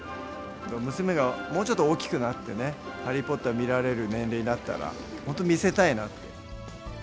娘がもうちょっと大きくなってね、ハリー・ポッター見られる年齢になったら、本当見せたいなって。